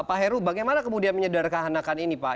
pak heru bagaimana kemudian menyederhanakan ini pak